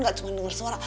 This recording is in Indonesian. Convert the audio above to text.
gak cuma denger suara